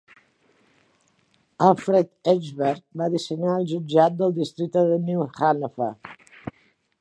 Alfred Eichberg va dissenyar el jutjat del districte de New Hanover.